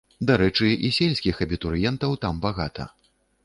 Дарэчы, і сельскіх абітурыентаў там багата.